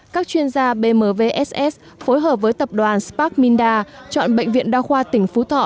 các chuyên gia bmvss phối hợp với tập đoàn sparkminda chọn bệnh viện đa khoa tỉnh phú thọ